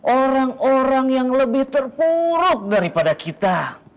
orang orang yang lebih terpuruk daripada kita